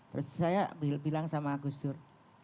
terus saya bilang sama gus dur